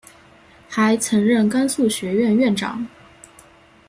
还曾任甘肃学院院长。